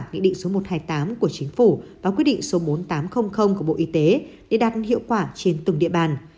nghị định số một trăm hai mươi tám của chính phủ và quyết định số bốn nghìn tám trăm linh của bộ y tế để đạt hiệu quả trên từng địa bàn